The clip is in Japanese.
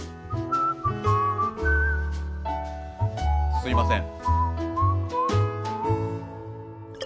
すみません。